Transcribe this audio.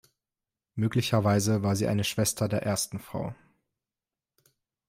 Möglicherweise war sie eine Schwester der ersten Frau.